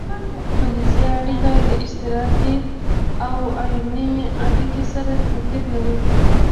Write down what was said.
فلزي اړیکه له اشتراکي او ایوني اړیکې سره توپیر لري.